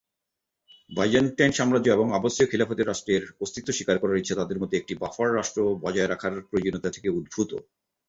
Byzantine সাম্রাজ্য এবং আব্বাসীয় খিলাফতের রাষ্ট্রের অস্তিত্ব স্বীকার করার ইচ্ছা তাদের মধ্যে একটি বাফার রাষ্ট্র বজায় রাখার প্রয়োজনীয়তা থেকে উদ্ভূত।